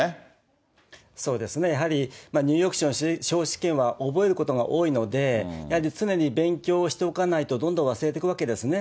やはりニューヨーク州の司法試験は覚えることが多いので、やはり常に勉強をしておかないと、どんどん忘れていくわけですね。